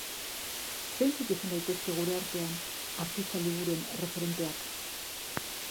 Zeintzuk izan daitezke gure artean artista liburuen erreferenteak?